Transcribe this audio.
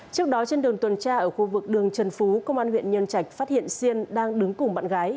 trước đó trên đường tuần tra ở khu vực đường trần phú công an huyện nhân trạch phát hiện siên đang đứng cùng bạn gái